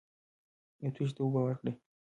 یو تږي ته اوبه ورکړئ.